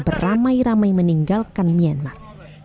beramai ramai meninggalkan myanmar